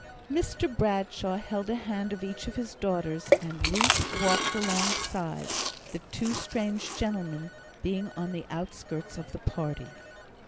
Mr Bradshaw held a hand of each of his daughters, and Ruth walked alongside, the two strange gentlemen being on the outskirts of the party.